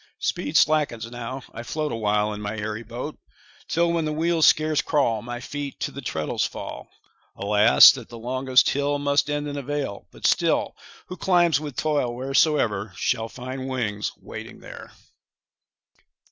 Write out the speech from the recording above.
Speed slackens now, I float Awhile in my airy boat; Till, when the wheels scarce crawl, My feet to the treadles fall. 20 Alas, that the longest hill Must end in a vale; but still, Who climbs with toil, wheresoe'er, Shall find wings waiting there.